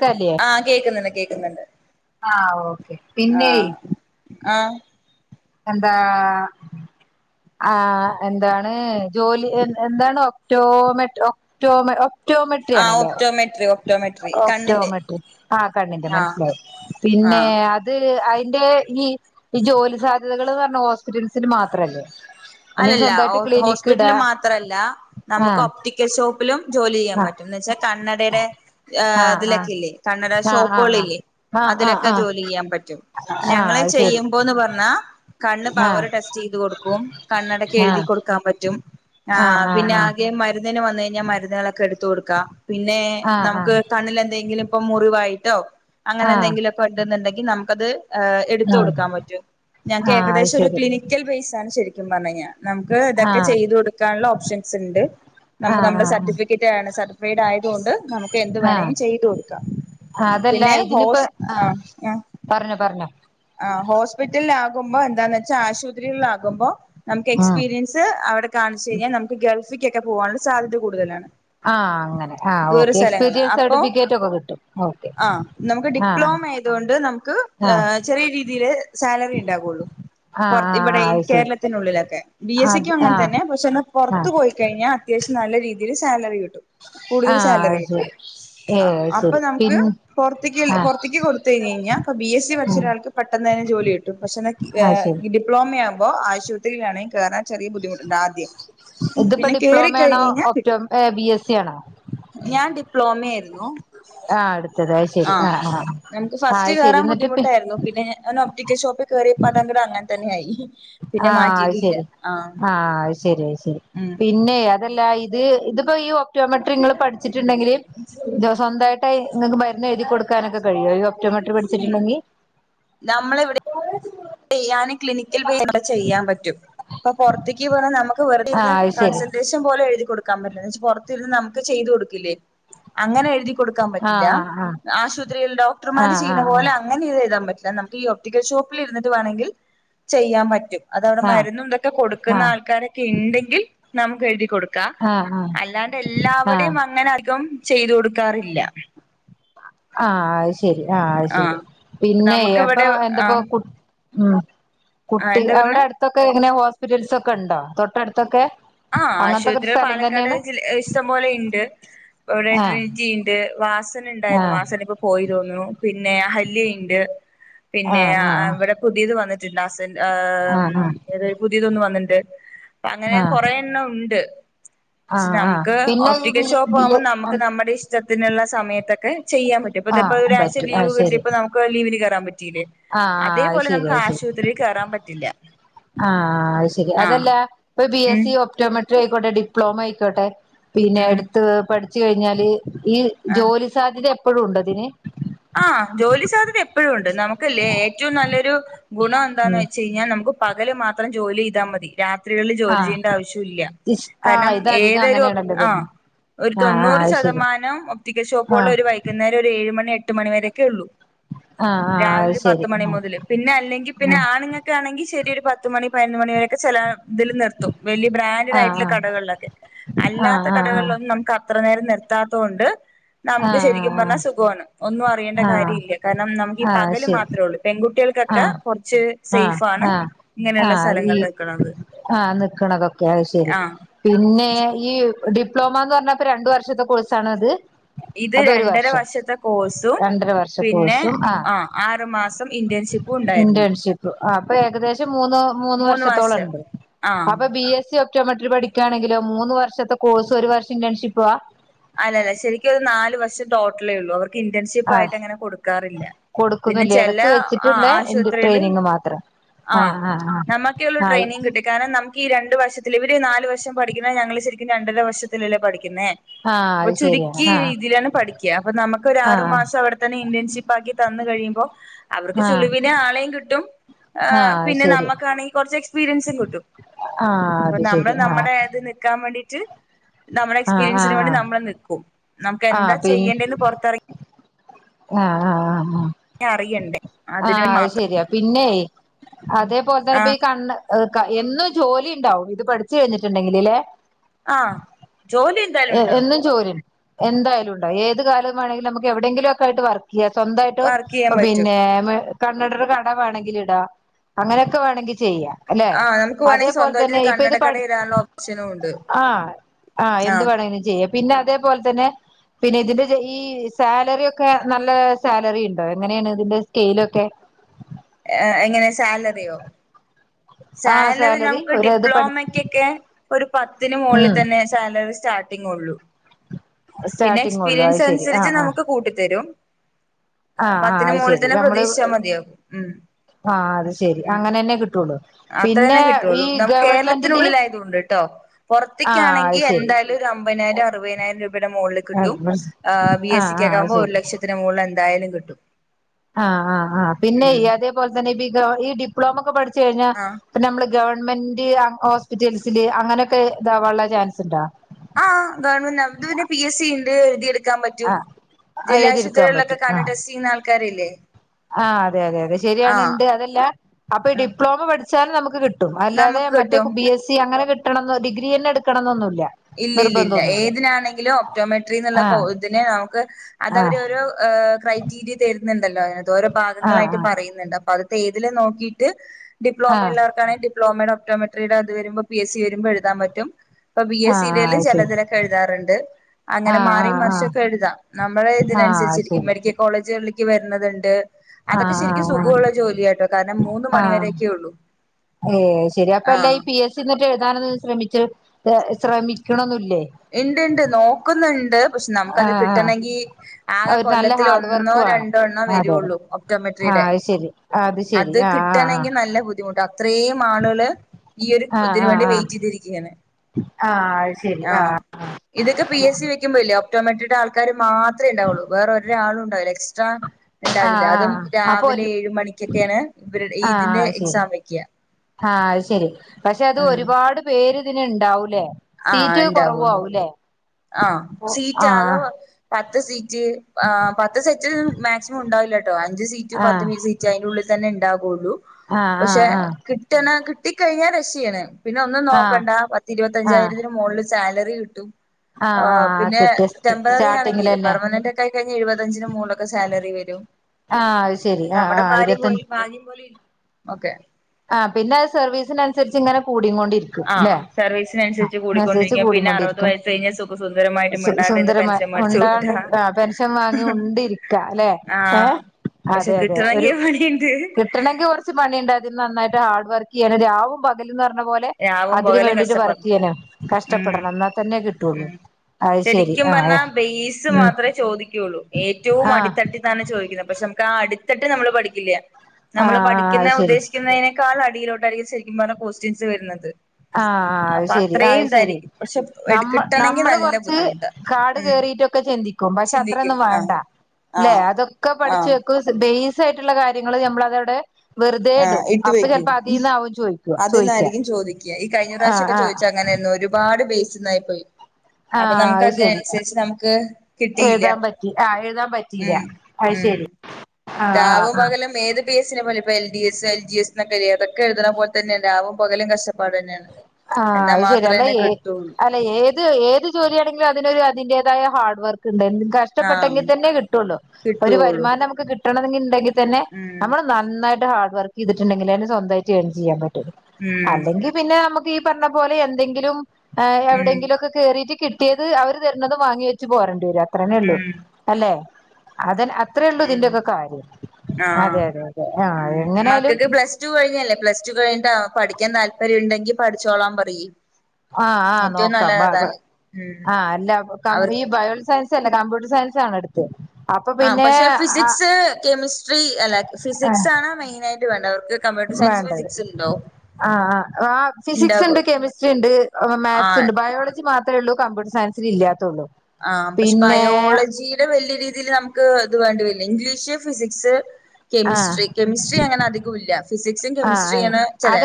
കേൾക്കാല്ലേ ആഹ് കേക്കുന്നുണ്ട്, കേക്കുന്നുണ്ട് ആഹ് ഓക്കെ പിന്നെയ് ആഹ് ആഹ് എന്താ ആ എന്താണ് ജോലി എന്താണ് ഒറ്റോ മെറ്റ് ഒപ്റ്റോ ഒപ്റ്റോമെട്രി ആണല്ലേ? മെട്രി, ഒപ്ടോമെട്രി ഒപ്ടോമെട്രി ആ കണ്ണിന്റെ ആഹ് മനസ്സിലായി പിന്നെ ആഹ് അത് അതിന്റെ ഈ ഈ ജോലി സാധ്യതകൾന്ന് പറഞ്ഞ ഹോസ്പിറ്റൽസിന് മാത്രല്ലേ? അല്ലെങ്കി അല്ല സ്വന്തായിട്ട് ക്ലിനിക്ക് ഹോസ്പിറ്റല് ഇടാ മാത്രല്ല നമുക്ക് ആഹ് ഒപ്റ്റിക്കൽ ഷോപ്പിലും ജോലി ചെയ്യാൻ പറ്റും എന്ന് വച്ചാൽ കണ്ണടയുടെ ആഹ് അതിലൊക്കെ ആഹ് ഇല്ലേ? കണ്ണട ആഹ് ഷോപ്പുകളില്ലേ ആഹ് ആഹ് അതിലൊക്കെ ആഹ് ആഹ് ആഹ് ജോലി ചെയ്യാൻ പറ്റും ആഹ് ഞങ്ങള് അത് ശരി ചെയ്യുമ്പോന്ന് പറഞ്ഞാ കണ്ണ് ആഹ് പവറ് ടെസ്റ്റ് ചെയ്ത് കൊടുക്കും, കണ്ണടക്ക് എഴുതി ആഹ് കൊടുക്കാൻ പറ്റും. ആഹ ആഹ് പിന്നെ ആഹ് ആകെ മരുന്നിന് വന്ന് കഴിഞ്ഞാൽ മരുന്നുകളൊക്കെ എടുത്ത് കൊടുക്കാം. പിന്നെ ആഹ് ആഹ് നമുക്ക് കണ്ണിൽ എന്തെങ്കിലും ഇപ്പൊ മുറിവായിട്ടോ, അങ്ങനെ ആഹ് ആഹ് എന്തെങ്കിലും പെട്ടെന്നുണ്ടെങ്കിൽ നമുക്ക് എടുത്തു ആഹ് കൊടുക്കാൻ പറ്റും. ഞങ്ങക്ക് ആഹ് അത് ഏകദേശം ഒരു ശരി ക്ലിനിക്ക് ബേസ് ആണ് ശരിക്കും പറഞ്ഞു കഴിഞ്ഞാൽ. നമുക്ക് ഇതൊക്കെ ആഹ് ചെയ്തു കൊടുക്കാനുള്ള ഓപ്ഷൻസ് ഉണ്ട് നമുക്ക് ആഹ് നമ്മുടെ ആഹ് സർട്ടിഫിക്കറ്റ് സർട്ടിഫൈഡ് ആയതുകൊണ്ട് നമുക്ക് എന്ത് ആഹ് വേണേലും ചെയ്തു കൊടുക്കാം ആഹ് അതല്ല പിന്നെ ഇതിനിപ്പ ഹോസ് ആഹ് ആ പറഞ്ഞോ പറഞ്ഞോ ആ ഹോസ്പിറ്റലിൽ ആകുമ്പോ എന്താന്ന് വെച്ചാൽ ആശുപത്രിയിൽ ആകുമ്പോ നമുക്ക് ഉം എക്സ്പീരിയൻസ് അവിടെ കാണിച്ച് കഴിഞ്ഞാൽ നമുക്ക് ഗൾഫിക്കൊക്കെ പോകാനുള്ള സാധ്യത കൂടുതലാണ് ആ അങ്ങനെ. ആ ദൂര ഓക്കെ. സ്ഥലങ്ങള് എക്സ്പീരിയൻസ് അപ്പോ സർട്ടിഫിക്കറ്റ് ഒക്കെ കിട്ടും ഓക്കേ ആഹ് നമുക്ക് ഡിപ്ലോമ ആയതുകൊണ്ട് നമുക്ക് ആഹ് ചെറിയ രീതിൽ സാലറി ഉണ്ടാകുള്ളൂ ആഹ് ആഹ് പുറത്ത് ഇവിടെ അത് ശരി കേരളത്തിനുള്ളിലൊക്കെ. പി. എസ്. സി അത് ക്കും അങ്ങനെ ആഹ് തന്നെ പക്ഷെന്ന പുറത്ത് ആഹ് പോയി പോയി കഴിഞ്ഞാൽ അത്യാവശ്യം നല്ല രീതിയിൽ സാലറി കിട്ടും കൂടുതൽ ആഹ് സാലറി അത് കിട്ടും. ശരി ആ ഏഹ് അത് അപ്പൊ ശരി പിൻ നമുക്ക് പുറത്തേക്ക്, ആഹ് പുറത്തേക്ക് കൊടു കൊടുത്ത് കഴിഞ്ഞ ഇപ്പം ബി എസ് സി പഠിച്ച ഉം ഒരാൾ പെട്ടെന്ന് തന്ന ജോലി കിട്ടും. പക്ഷെ അത് ശരി ഡിപ്ലോമ ആവുമ്പോ ആശുപത്രിയിലാണ് എങ്കിൽ കേറാ ചെറിയ ബുദ്ധിമുട്ടുണ്ട് ആദ്യം. ഇതിപ്പോ പിന്നെ കേറി ഡിപ്ലോമയാണോ കഴിഞ്ഞ് കഴിഞ്ഞാൽ ഒപ്റ്റോ കിട്ടും ബി എസ് സി ആണോ ഞാൻ ഡിപ്ലോമ ആയിരുന്നു ആഹ് അടുത്തത്, അത് ശെരി ആ നമുക്ക് ആ ഫസ്റ്റ് അത് ശരി കേറാൻ എന്നിട്ട്. ബുദ്ധിമുട്ടായിരുന്നു പിന്നെ ഞാൻ ഒപ്ടിക്കൽ ഷോപ്പിൽ കയറിയപ്പോ അത് അങ്ങനെ തന്നെയായി ആഹ് അയ്ശരി ആഹ് അയ് ശരി അയ് ശരി ഉം പിന്നെ അതല്ല ഇത് ഇതിപ്പോ ഈ ഒക്ടോമെട്രി ങ്ങള് പഠിച്ചിട്ടുണ്ടെങ്കില് സ്വന്തായിട്ടഅ് ഇങ്ങക്ക് മരുന്ന് എഴുതി കൊടുക്കാനൊക്കെ കഴിയോ? ഒക്ടോമെട്രി ഉം പടിച്ചിട്ടുണ്ടെങ്കി? നമ്മളെ ചെയ്യാന് ക്ലിനിക്കിൽ ബെ ചെയ്യാൻ പറ്റും. ഇപ്പൊ പുറത്ത്ക്ക്ന്ന് പറഞ്ഞാ നമുക്ക് ഇവിടെയിരുന്ന് ആഹ് അത് ശരി കണ്‍സല്‍ട്ടേഷൻ ഇത് പോലെ എഴുതി കൊടുക്കാൻ. പറ്റില്ല. പുറത്തിന്ന് നമുക്ക് ചെയ്ത് കൊടുക്കില്ലേ അങ്ങനെ എഴുതി കൊടുക്കാൻ പറ്റില്ല ആഹ് ആഹ് ആശുപത്രിയിൽ ഡോക്ടർമാർ ആഹ് ചെയ്യ്ണ ആഹ് പോലെ അങ്ങനെ ഇത് എഴ്താൻ പറ്റില്ല നം ഈ ഒപ്റ്റിക്കൽ ഷോപ്പിൽ ഇരിന്നിട്ട് വേണങ്കി ചെയ്യാൻ പറ്റും. അതവിടെ ആഹ് മരുന്നും ഇതൊക്കെ കൊടുക്കുന്ന ആഹ് ആൾക്കാരൊക്കെ ഇണ്ടെങ്കിൽ നമുക്ക് എഴുതി കൊടു ക്കാ ആഹ് ആഹ് ആഹ് അല്ലാണ്ട് എല്ലാവിടെയും ആഹ് അങ്ങനെ അധികം ചെയ്തു കൊടുക്കാറില്ല. ആഹ് ശരി ആഹ് ശരി പിന്നെ നമുക്ക് അപ്പൊ ഇവിടെ എന്താപ്പൊ ആഹ് ഉം കുട്ടി എന്താ അവിടെ പറഞ്ഞെ അടുത്തൊക്കെ എങ്ങനെ ഹോസ്പിറ്റൽസ് ഒക്കെ ഉണ്ടോ തൊട്ടടുത്തൊക്കെ? ആഹ് അങ്ങനത്തൊക്കെ ഒരു ആശുപത്രികൾ സ്ഥലം പാലക്കാട് തന്നെയാണ് ജി ഏഹ് ഇഷ്ടം പോലെയിണ്ട് ഇവിടെ ആഹ് ട്രനിറ്റി വാസനണ്ടായിരുന്നു ആഹ് വാസന ഇപ്പൊ പോയി തോന്നുന്നു പിന്നെ ഹല്ലിഇണ്ട് പിന്നെ ആഹ് ആഹ് ഇവിടെ പുതിയത് വന്നിട്ടുണ്ട് അസൻ് ഏഹ് ആഹ് ആഹ് ഏത് പുതിയതൊന്നു വന്നിണ്ട് അങ്ങനെ ആഹ് കൊറെ എണ്ണം ഇണ്ട് പക്ഷെ ആഹ് ആഹ് നമുക്ക് പിന്നെ ഈ ഒപ്റ്റിക്കൽ ബി ഷോപ്പ് ബി ആവുമ്പോ എ നമുക്ക് നമ്മുടെ ഇഷ്ടത്തിനുള്ള സമയത്തൊക്കെ ചെയ്യാൻ പറ്റും. ഇപ്പ താ ഇപ്പ ആഹ് ഒരാഴ്ച പറ്റും അത് ലീവ് ശരി കിട്ടിയപ്പോ നമുക്ക് ലീവിന് കയറാൻ പറ്റിയില്ലേ ആഹ് ആഹ് അത് അതേപോലെ ശരി നമുക്ക് അത് ആശു ശരി പത്രീല് കയറാൻ പറ്റില്ല ആഹ് അയ് ശെരി ആഹ് അതല്ല ഇപ്പൊ ബി എസ് ഉം സി ഒപ്റ്റോമെട്രി ആയിക്കോട്ടെ ഡിപ്ലോമ ആയിക്കോട്ടെ പിന്നെ ഉം എടുത്ത് പഠിച്ചു കഴിഞ്ഞാല് ഈ ആഹ് ജോലി സാധ്യത എപ്പോഴും ഉണ്ടോതിന് ആഹ് ജോലി സാധ്യത എപ്പോഴും ഉണ്ട് നമുക്ക്‌ല്ലേ ഏറ്റവും നല്ലൊരു ഗുണം എന്താന്ന് ഉം വെച്ച കഴിഞ്ഞാ നമുക്ക് പകല് മാത്രം ജോലി ചെയ്താൽ മതി രാത്രികളിൽ ജോലി ആഹ് ചെയ്യേണ്ട ആവശ്യം ഇല്ല ഇഷ് ആഹ് കാരണം ഇത് അധികം ഏതൊരു ഒക് അങ്ങനെയാണല്ലോ ആഹ് വരുന്നെ ഒരു തൊണ്ണൂറ് ആഹ് ശതമാനം ഒപ്റ്റിക്കൽ ഷോപ്പ്കളിൽ ആഹ് ഒരു വൈ കുന്നേരം ഒര് ഏഴ് മണി എട്ട് മണിവരൊക്കെ ഉള്ളൂ. അത് രാവിലെ പത്ത് ശരി മണി മുതല് പിന്നെ അല്ലെങ്കിൽ പിന്നെ ആഹ് ആണുങ്ങ ക്ക് ആണെങ്കി ശരി ഒരു പത്ത് മണി പതിനൊന്ന് മണി വരെയൊക്കെ ചെല തിൽ നിർത്തും വലിയ ബ്രാൻഡ് അതിന്റെ താ യിട്ടുള്ള ആഹ് കടകളിലൊക്കെ ആഹ് അത് ശരി ആഹ് ആഹ് അല്ലാത്ത ആഹ് ആഹ് കടകളിലൊന്നും നമുക്ക് അത്ര നേരം നിർത്താത്തോണ്ട് നമുക്ക് ആഹ് ശരിക്കും പറഞ്ഞാൽ സുഖവാണ് ഒന്നും അറിയേണ്ട ആഹ് ആഹ് ആഹ് കാര്യഇല്ല കാരണം നമുക്ക് ഈ ആഹ് ആഹ് പകല് ശരി മാത്രേ ഉള്ളൂ പെൺകുട്ടികൾ ആഹ് ആഹ് ആഹ് ഇങ്ങനെയുള്ള ആഹ് ഈ സ്ഥലങ്ങളിൽ നിൽക്കുന്നത് ആഹ് നിക്കണതൊക്കെ അയ് ശരി ആ പിന്നെ ഈ ഡിപ്ലോമ എന്ന് പറഞ്ഞപ്പ രണ്ടു വർഷത്തെ കോഴ്സാണത് ഇത് രണ്ടര വർഷത്തെ കോഴ്സും രണ്ടര വർഷ പിന്നെ കോഴ്സും ആഹ് ആറുമാസം ഇന്റേൺഷിപ്പ് അപ്പൊ ഏകദേശം മൂന്ന് മൂന്ന് മൂന്നുവർഷത്തോളം വർഷം ഉണ്ട് ആ അപ്പോ B A C optometry പഠിക്കാണെങ്കിലോ മൂന്ന് വർഷത്തെ കോഴ്സും ഒരു വർഷം ഇന്റേൺഷിപ്പ്വാ അല്ലല്ലാ ശരിക്കും ഒരു നാല് വർഷം ടോട്ടലേ ഉള്ളൂ അവർക്ക് ഇന്റേൺഷിപ്പ് ആഹ് ആയിട്ട് അങ്ങനെ കൊടുക്കാറില്ല. പിന്നെ കൊടുക്കുന്നില്ലേ ചില ഇടക്ക് ആഹ് വെച്ചിട്ടുള്ള ആശുപത്രിയില് ട്രെയിനിങ് മാത്രം ആഹ് നമ്മക്കെയൊള്ളൂ ആഹ് ആഹ് ആഹ് ട്രെയിനിങ് കിട്ട കാരണം നമുക്ക് ഈ രണ്ട് വർഷത്തില് ഇവര് നാല് വർഷം പഠിക്കണ ഞങ്ങള് ശരിക്കും രണ്ടര വർഷത്തിലല്ലേ പഠിക്കുന്നേ ആഹ് അപ്പൊ അത് ശരിയാണ് ചുരുക്കിയ ആഹ് രീതിയിലാണ് പഠിക്കാ അപ്പൊ നമുക്ക് ഒരു ആറു ആഹ് മാസം അവിടെ തന്നെ ഇന്റേൺഷിപ്പ് ആക്കി തന്ന് കഴിയുമ്പോ അവർക്ക് ആഹ് ചുളുവിന് ആളെയും കിട്ടും ആഹ് അത് പിന്നെ ശരി നമ്മുക്കാണെങ്കിൽ കുറച്ച് എക്സ്പീരിയൻസും കിട്ടും ആഹ് അപ്പൊ അത് ശരി നമ്മൾ ആഹ് നമ്മുടെ ആയതിന് ക്കാ വേണ്ടീട്ട് നമ്മളെ ആഹ് എക്സ്പീരിയൻസിന് വേണ്ടി ആഹ് നമ്മള് നിക്കും നമുക്ക് എന്താ പിൻ ചെയ്യേണ്ടന്ന് പൊറത്ത ആഹ് ആഹ് ആഹ് അറിയണ്ടേ ആഹ് അതിന് ആഹ് അത് മാത്രം ശരിയാ പിന്നെ അതേപോലെ തന്നെ ഇപ്പ ഈ കണ്ണ് അഅക്കാ എന്നും ജോലി ഉണ്ടാവും ഇത് പഠിച്ചു കഴിഞ്ഞിട്ടുണ്ടെങ്കിൽ ല്ലെ ആഹ് ജോലി എന്തായാലും ഉണ്ടാവും എന്നും ചോരും എന്തായാലും ഉണ്ടാവും ഏത് കാലം വേണങ്കിലും നമുക്ക് എവിടെയെങ്കിലും ഒക്കെ ആയിട്ട് വർക്ക് സ്വന്തമായിട്ട് വർക്ക് ചെയ്യാൻ പറ്റും പിന്നെ കണ്ണടരു കട വേണമെങ്കിൽ ഇടാം അങ്ങനെയൊക്കെ വേണമെങ്കിൽ ചെയ്യാം അല്ലെ ആഹ് നമുക്ക് വേണമെങ്കിൽ അതേപോലെ സ്വന്തമായിട്ട് തന്നെ ഒരു ഇപ്പൊ ഇത് കണ്ണടക്കട പഠ ഇടാനുള്ള ഓപ്ഷനും ഉണ്ട് ആഹ് ആഹ് എന്ത് ചെയ്യാം പിന്നെ അതേപോലെ തന്നെ പിന്നെ ഇതിന്റെ ഈ സാലറിക്കെ നല്ല സാലറി ഉണ്ടോ എങ്ങനെയാണ് ഇതിന്റെ സ്കെയിലൊക്കെ എങ്ങനെ സാലറിയോ ആഹ് സാലറി നമുക്ക് ഒരു ഇത് പഠിച്ച് ഡിപ്ലോമക്കൊക്കെ ഒരു പത്തിന് മുകളിൽ ഉം തന്നെ സാലറി സ്റ്റാർട്ടിങ് ഉള്ളു പിന്നെ സ്റ്റാർട്ടിങ് ഉള്ളൂ അത് എക്സ്പീരിയൻസ് ശരി അനുസരിച്ച് ആഹ് ആഹ് നമുക്ക് കൂട്ടി തരും ആഹ് ആഹ് പത്തിന് അത് മുകളിൽ ശരി തന്നെ നമ്മള് പ്രതീക്ഷിച്ചാ മതിയാകും ഉം ആഹ് അത് ശരി ഉം അങ്ങനെന്നെ കിട്ടുള്ളൂ അത്രേ തന്നെ പിന്നെ കിട്ടുള്ളൂ ഈ നമുക്ക് ഗവൺമെന്റില് കേരളത്തിനുള്ളില ആയതുകൊണ്ട് കേട്ടോ ആഹ് അത് പുറത്തേക്കാണെങ്കിൽ ശരി എന്തായാലും ഒരു അമ്പതിനായിരം അറുപതിനായിരം രൂപയുടെ മുകളിൽ കിട്ടും ആഹ് ആഹ് ബി എസ് ആഹ് അത് സിക്ക്ക്കുമ്പോ ഒരു ശരി ലക്ഷത്തിന് മുകളള് എന്തായാലും കിട്ടും ആഹ് ആഹ് ആഹ് പിന്നെഈ ഉം അതേപോലെന്നെ ഈ ഡിപ്ലോമ ഒക്കെ പഠിച്ചു കഴിഞ്ഞാ ആഹ് ഇപ്പ നമ്മള് ഗവൺമെന്റ് ഹോസ്പിറ്റൽസില് അങ്ങനെയൊക്കെ ഇതാ വള്ള ചാൻസ് ഉണ്ടാ ആഹ് ഗവൺമെന്റ് ഇതു പിന്നെ പി എസ് സി ഉണ്ട് എഴുതിയ എടുക്കാൻ പറ്റും ആഹ് ആഹ് എഴുതിയെടുക്കാൻ ജില്ലാശുപത്രികളിലൊക്കെ പറ്റും കണ്ണ് ആഹ് ടെസ്റ്റ് ചെയ്യുന്ന ആൾക്കാരില്ലേ ആഹ് അതെ അതെ അതെ ശരിയാണ് ആഹ് ഇണ്ട് അതല്ല അപ്പൊ ഡിപ്ലോമ പഠിച്ചാലും നമുക്ക് കി കിട്ടും അല്ലാതെ നമുക്ക് മറ്റേ കിട്ടും ബി എസ് സി അങ്ങനെ കിട്ടണംമോ ഡിഗ്രി തന്നെ എടുക്കണന്നൊന്നുല്ല ഇല്ലില്ലില്ല ഏതിനാണെങ്കിലു ഒപ്റ്റോമെട്രി ന്ന്ള്ള കോ ആഹ് തിനെ നമുക്ക് ആഹ് അതവര് ഓരോ. എഹ് ക്രൈറ്റീരിയ തര്ന്നുണ്ടല്ലോ അത് ഓല ഭാഗങ്ങളായിട്ട് ആഹ് പറയുന്ന്ണ്ട് അപ്പത്. തേതില നോക്കിട്ട് ആഹ് ഡിപ്ലോമെല്ല. ക്കാണെങ് ഡിപ്ലോമയുടെ ഒപ്റ്റോമെട്രിയുടെ അതു വരുമ്പോ പി എസ് സി വരുമ്പ എഴുതാപറ്റും പ്പൊ ബി ആഹ് ആഹ് എസ്. ആഹ് സീരിയല് അത് ശരി ചിലതിലൊക്കെ എഴുതാറുണ്ട്. അങ്ങനെ ആഹ് മാറി ആഹ് ആഹ് മർച്ചൊക്കെ എഴുതാം നമ്മള് ആഹ് അത് ഇതിനൻസര്ച്ചിരിക്ക്യും ശരി മെഡിക്ക കോളേജുകളിൽക്ക് വര്ണത്ണ്ട്. അതൊക്കെ ആഹ് ശരിക്ക്യു ആഹ് ആഹ് സുഖവുള്ള ജോലിയട്ടോ കാരണം മൂന്ന് മണി വരെക്കൊള്ളു. ഏഹ് ശരി അപ്പ എല്ലാ ഈ പി എസ് സി ന്നട്ട് എഴുതാനതു ശ്രമിച്ച് ശ്ര ശ്രമിക്കണന്നുല്ലേ. ഇണ്ട് ണ്ട് നോക്കുന്ന്ണ്ട് പക്ഷെ ആ നമുക്കത് കിട്ടണങ്കി ആക ആ ഒരു നല്ല ഹാർഡ് കൊല്ലത്തിലൊന്നോ വർക്ക് ര വേണം ടൊണ്ണൊ അതെ വരുള്ളൂ ആ ഒപ്റ്റോമെട്രിയുടെ അത് ശരി ശരി അത് ആ ആ കിട്ടന്നെങ്കി നല്ല ബുദ്ധിമുട്ട. ത്രേം ആളുകള് ഈ ഒരു ഇതിന് വേണ്ടി വെയിറ്റെയ്തിരിക്ക്യാണ്. ആഹ് അത് ശരി ആഹ് ആഹ്. ക്ക്യും വല്യ ഒപ്റ്റോമെട്രിയുടെ ആൾക്കാര് മാത്രേ ണ്ടാവുള്ളൂ വേറൊരാളു ണ്ടാവുല എക്സ്ട്രാ. ആ ണ്ടാകില്ല ആ അതും അപ്പൊ രാവിലെ ഒരു ഏഴ് മണിക്കൊക്കെണ് ഇവരുടെ ഈ ഇതിന്റെ എക്സാം വെക്ക്യ. ആഹ് അഹ് ശരി പക്ഷെ അത് ഒരുപാട് പേര് ഇതിനുണ്ടാവുലേ. ആഹ് സീറ്റ് ഉണ്ടാകും കൊറവു ഉണ്ടാകും ആവു ലേ. ആഹ് സീറ്റാക വ പത്ത് സീറ്റ് ആഹ് പത്ത് സെറ്റ് മാക്സിമം ഉണ്ടാവില്ലട്ടോ അഞ്ച് സീറ്റ് ആ പത്ത് മി സീ ജ അയ്നുള്ളിൽ തന്നെ ണ്ടാകുള്ളൂ ആ ആ പക്ഷെ ആ ആ കിട്ടണ കിട്ടി കഴിഞ്ഞാ രഷെണ്. പിന്നൊന്നും നോക്കണ്ട പത്തി ആ ആ ഇരുപത്തിഞ്ചായിരത്തിന് മോൾല് സാലറി കിട്ടും. ആ ആ ആഹ് പിന്നെ കിട്ടിയ ടെംമ്പററി സ്റ്റാർട്ടിങ്ങിൽ ആണെങ്കിൽ തന്നെ പെർമനൻ്റൊക്കയികഴിഞ് എഴുപത്തഞ്ചിന് മുകൾലൊക്കെ സാലറി വരും. ആഹ് അത് ശെരി പിന്നെ ആഹ് നമ്മുടെ ആഹ് ഭാരി ഇരുപത്തഞ്ച് കോരി ഭാഗ്യം പോലെ ഇരിക്കും ഓക്കെ. ആഹ് പിന്നഹ് സർവീസിനൻസര്ച്ച്ങ്ങനെ കൂടിങ്ങോണ്ടിര ആഹ് സർവീസിനൻസര്ച്ച് കൂടിക്കൊണ്ടിരിക്ക്യു പിന്നെ അറുപത് കൂടികൊണ്ടിരിക്കും വയസ് കയ്ഞ്ഞ സുഖ സുന്ദരമായിട്ട് സു മിണ്ടാണ്ടന്ന് സുന്ദരമായി പെൻശം. ഉണ്ടാണ്ട് ആഹ് പെൻഷൻ വാങ്ങി ഉണ്ടിരിക്ക ല്ലെ ആഹ് ഏഹ്. പക്ഷെ അതെ അതെ കിട്ടണെങ്കി ഒരു പണിയുണ്ട് ട്ടണെങ്കി കൊർച്ച് പണിണ്ട് ആദ്യം നന്നായിട്ട് ഹാർഡ് വർക്ക് ചെയ്യണ രാവും പ കലും ന്നർഞ്ഞ പോലെ രാവും അതിന് പകലും വേണ്ടിട്ട് കഷ്ടപ്പെടണം വർക്കെയ്യന കഷ്ടപ്പെടണം ന്നാ തന്നെ കിട്ടുള്ളു. ശരിക്ക്യും പർഞ്ഞാ ബേസ് ഉം മാത്രേ ചോദിക്കുള്ളൂ ഏറ്റവും ആഹ് അടിത്തട്ടിന്നാണ് ചോയ്ക്കുന്ന. പക്ഷെ നമുക്ക് ആഹ് അടിത്തട്ട് നമ്മള് പഠിക്കില്ല ആഹ് നമ്മള് ആഹ് അത് പഠിക്ക്യുന്ന ശെരി ഉദ്ദേശിക്കുന്നയ്ന്. കാളടിയിലോട്ടായിരിക്കും ശരിക്കും പർഞ്ഞ കൊസ്റ്റ്യൻസ് വര്ന്നത്. ആഹ് ആഹ് അഹ്ശെരി അഹ് ശരി പക്ഷെ നമ്മ കിട്ടണെങ്കി നമ്മള് നല്ല കൊർച്ച്. ബുദ്ധിമുട്ടാ കാട് ഉം കേറീട്ടൊക്കെ ചിന്തിക്കും പക്ഷെ ചിന്തിക്കും അത്രൊന്നും വേണ്ട ആഹ് ല്ലെ ആഹ് അതൊക്കെ പഠിച്ചു ആഹ് വെക്കും. ബെയ്സായിട്ടുള്ള കാര്യങ്ങള് ഞമ്മളതവ്ടെ. വെറുതെ ടും ആഹ് ഇട്ട് അപ്പ വെക്കും ചെൽപ്പതീന്നാവും ചോയ്ക്ക്വ ചോയ്ക്ക്യ. യ ഈ കയ്ഞ്ഞ പ്രാവശ്യെക്കെ ചോയ്ച്ചങ്ങനെന്നു ഒരുപാട് ബേസ്ന്നായി പോയി. അപ്പ ആഹ് അത് ശെരി നമുക്കതിനൻസര്ച്ച് നമക്ക് കിട്ടിയില്ല എഴുതാൻ പറ്റി ആഹ് എഴുതാൻ പറ്റിയില്ല ഉം. അത് ഉം ശെരി ആഹ് ആഹ് രാവും ആഹ് പകലും ഏത്. പി എസിനെ പോലെ പൊ L D S L G S ന്നൊക്കെല്ലെ അതക്കെ എഴുത്ണപോൽതന്നെ രാവുംകലും കഷ് പാടെന്നേണ് എന്നാ മാത്രെന്നെ കിട്ടൊള്ളൂ. ല്ലഏത് ഏത് ജോല്യാണെങ്കിലും അതിനൊരു അതിന്റേതായ ഹാർഡ് വർക്ക്ണ്ട് എന്ത് ക ആഹ് ഷ്ടപ്പെട്ടെങ്കിതന്നെ കിട്ടൊള്ളൂ ഒരു കിട്ടുവുള്ളൂ വരുമാനമക്ക് കിട്ടണന്ന്ണ്ടെങ്കിതന്നെ ഉം നമ്മള്നന്നായി ട്ട് ഹാർഡ് വർക്കെയ്തിട്ട്ണ്ടെങ്കിലെന്നെ സ്വന്തായിട്ട് ഏൺ ചെയ്യാൻ പറ്റും ഉം അല്ലെങ്കി. പിന്നെ അമ്മക്കീ പർഞ്ഞപോലെ എന്തെങ്കിലും എ ഉം എവ്ടെങ്കിലൊക്കെ കേറീട്ട് കിട്ടിയത് അവര് തരുന്നതും വാങ്ങിവെച്ച് പോരണ്ടിവരും അത്രന്നേഉള്ളൂ ഉം അല്ലേ? അതന്നെ അത്രേള്ളു ഉം ഇതിന്റൊക്കെ കാര്യം ആഹ് അതെ അതെ ആഹ് എങ്ങനായലും. ജു കഴിഞ്ഞല്ലേ പ്ലസ്ടു കഴിഞ്ഞട്ട് പഠിക്ക്യാ താല്പര്യംണ്ടെങ്കി പഠിച്ചോള പറയി. ആഹ് ആഹ് നോക്കാം ബ ബഹ് ഉം ആഹ് അല്ല കം ഈ അവർക്ക് ബയോളജിസയൻ സല്ല കമ്പ്യൂട്ടർ സയൻസാണ് ട് ആഹ് പക്ഷെ ഫിസിക്സ് കെമിസ്ട്രി അല്ല ഫിസിക്സ് ആണ് മെയിനായിട്ട് വേണ്ടത് അവർക്ക്- കമ്പ്യൂട്ടർസയസില് ഫിസിക്സ് ഇണ്ടോ? ആഹ് ആഹ് ആ ഫിസിക്സ്ണ്ട് കെമിസ്ട്രിണ്ട് ആ മാതസ് ഇണ്ട് ബയോളജി മാത്രേ ഉള്ളൂ കമ്പ്യൂട്ടർ- സയൻസില് ഇല്ലാത്തുള്ളൂ. ആ പക്ഷെ പിന്നെ ബയോളജീടെ വല്ലിയ രീതില് നമ്ക്ക് ഇത് വേണ്ടി വരില്ല ഇംഗ്ലീഷ് ഫിസിക്സ്- ആഹ് കെമിസ്ട്രി കെമിസ്ട്രി അങ്ങനെ അധികല്ല ഫിസിക്സും കെമിസ്ട്രിയാണ് ചെല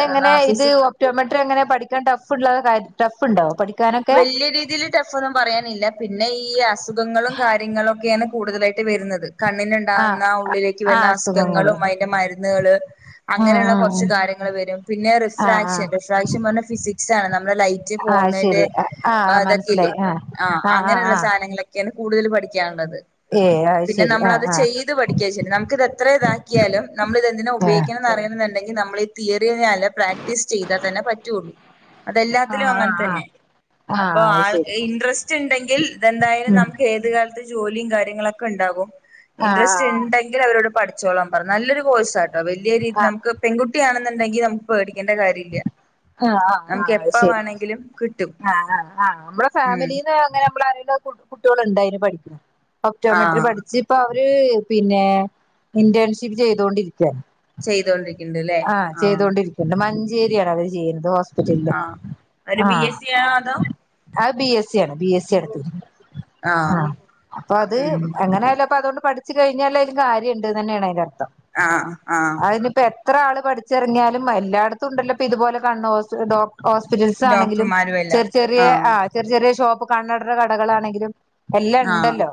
ഫിസിക്- റ്റൊമട്രെറ്ങ്ങനെ പഠിക്കാൻ ടഫ്ള്ളകാര്യ ടഫ്ണ്ടൊ പഠി- വല്ലിയ രീതീല്- മറ്റു അസുഖം പറയാനില്ല പിന്നെ ഈ അസുഖങ്ങളും കാര്യങ്ങളൊക്കെയാണ് കൂടുതലായിട്ട് വരുന്നത്. കണ്ണിന് ആഹ് ഉണ്ടാവുന്ന ഉള്ളിലേക്ക് ആഹ് വരുന്ന അസുഖങ്ങള് അസുഖങ്ങളും അയിന്റ മരുന്ന്കള്- ഉം അങ്ങനെള്ള ഉം കൊറച്ച് ഉം കാര്യങ്ങള് വരും പിന്നെ ആഹ് റിഫ്രാക്ഷൻ ആഹ് റിഫ്രാക്ഷൻ പറഞ്ഞ ഫിസിക്സാണ് നമ്മടെ ലൈറ്റ്- റ്റ് പോനെന്റയ് ആഹ് അതൊക്കയില്ലേ ആഹ് അങ്ങനെയുള്ള സാധനങ്ങളൊക്കെയാണ് കൂടുതല് പഠിക്കാനുള്ളത് ഏഹ് അത് പിന്നെ ശരി ആഹ് നമ്മളത് ആഹ് ചെയ്ത് പഠിക്കുവാ ചെയ്യല് നമ്മക്ക് ഇത് എത്ര ഇതക്കിയാലും നമ്മള് ഇത്‌ എന്തിനാ ആഹ് ഉപയോഗിക്കണംന്നറിയണന്ന്- അല്ലെങ്കി നമ്മളീ തിയറിയഴിഞ്ഞാല് പ്രാക്ടീസ് ചെയ്താ തന്നെ പറ്റൊള്ളൂ അതെല്ലാത്തിലും ആഹ് അങ്ങനെ ആഹ് തന്നെ അപ്പൊ ആഹ് അത് ആൾ ശരി ഇൻട്രസ്റ്റ് ഇൻസ്റ്റ്ണ്ടെങ്കിൽ എന്തായാലും ഉം നമുക്കേത് കാലത്ത് ജോലിയും കാര്യങ്ങളൊക്കെയിണ്ടാകും. ആഹ് ആഹ് ഇൻറസ്റ്റ്ണ്ടെങ്കിലവരോട് പഠിച്ചോളാം പറ നല്ലൊരു കോഴ്സാട്ടോ വല്ലിയ രീതില് നമക്ക്- പെങ്കുട്ടിയാണ് എന്ന്ണ്ടെങ്കി- പേടിക്കെണ്ട കാര്യയില്ല ആഹ് ആഹ് നമക്ക് ആഹ് അത് എപ്പ ശരി വേണെങ്കിലും കിട്ടും ആഹ് ആഹ് ആഹ് നമ്മള് ഉം ഫാമിലിന്ന് അങ്ങനെ നമ്മളറിയിണ കുട്യോള് ഉണ്ടായിന് പാടി [unintelligible] ക്കിണ് കുട്ടികൾ ഉണ്ടായിന് ആഹ് ഒപ്പ്റ്റോമെട്രിപഠിച്ച് ഇപ്പവര് പിന്നെ ഇന്റേൺഷിപ്പ് ചെയ്തോണ്ടിരിക്കാണ്. ചെയ്തൊണ്ടേ ആഹ് ചെയ്തോകൊണ്ടിരിക്കിണ്ട് മഞ്ചേര്യാണ് അവര് ചെയ്യിണത് ഹോസ്പി [unintelligible] റ്റൽ ആഹ് ഒരു ബി ആഹ്. എസ് സി ആണോ അതോ അത് ബി എസ് സി ആണ് ബി എസ് സി എടുത്തത് ആഹ് അപ്പത് ഉം എങ്ങനെയായാലും ഇപ്പ അത്കൊണ്ട് പഠി- ച്ച് കഴിഞ്ഞാലും അയിന് കാര്യയുണ്ട് എന്നാണ് അതിന്റെ അർത്ഥം ആഹ് ആഹ് അയിനിപ്പോ എത്ര ആള് പഠിചെറങ്ങിയാലും എല്ലായിടത്തും ഉണ്ടലോ ഇതുപോലെ കണ്ണ് ഹോസ്പിറ്റൽ ഡോ- ഹോസ്പിറ്റൽസ് ആണെങ്കിലും ഡോക്ടർമാരും എല്ലാം ചെറിയ ചെറിയ ആഹ് ആ ചെറിയ ചെറിയ ഷോപ്പ് കാണുന്ന കടകളാണെങ്കിലും- ആഹ് എല്ലായിണ്ടല്ലോ.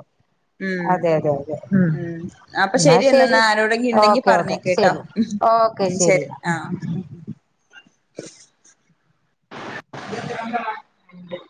ഉം അതെതെതെ ഉം അപ്പൊ എന്നാ ശരി ശെരി ആരോടെങ്കിലും ഉണ്ടെങ്കി ഓക്കെ ഓക്കെ പറഞ്ഞേക്ക് കേട്ടോ ശെരി ഓക്കെ ഉം ശരി ശരിയെന്നാ ആഹ് [inaudible] ഇണ്ട്. [unintelligible]